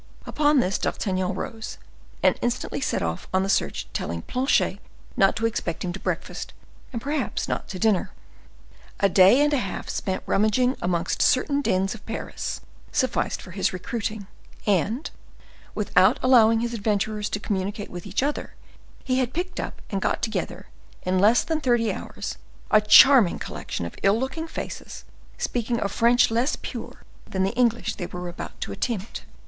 Upon this D'Artagnan rose, and instantly set off on the search, telling Planchet not to expect him to breakfast, and perhaps not to dinner. A day and a half spent in rummaging amongst certain dens of Paris sufficed for his recruiting; and, without allowing his adventurers to communicate with each other, he had picked up and got together, in less than thirty hours, a charming collection of ill looking faces, speaking a French less pure than the English they were about to attempt.